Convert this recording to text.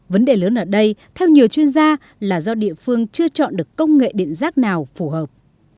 vấn đề lớn ở đây theo nhiều chuyên gia là do địa phương chưa chọn được công nghệ điện rác nào phù hợp